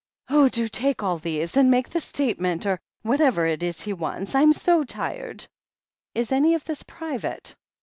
"Oh, do take all these, and make the statement or whatever it is he wants. Fm so tired!" "Is any of this private?"